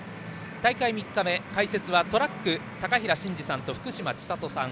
大会３日目、解説はトラック高平慎士さんと福島千里さん